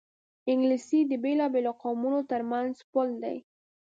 انګلیسي د بېلابېلو قومونو ترمنځ پُل دی